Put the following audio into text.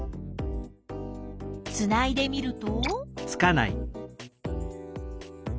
つないでみると？